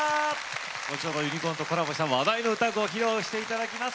後ほどＵＮＩＣＯＲＮとコラボした話題の歌ご披露していただきます。